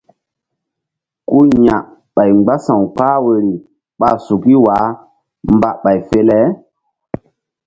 Ku ya̧ ɓay mgbása̧w kpah woyri ɓa suki wah mba ɓay fe le.